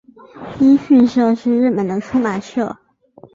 一迅社是日本的出版社。